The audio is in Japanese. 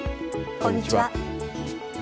こんにちは。